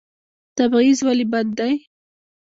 تبعیض ولې بد دی؟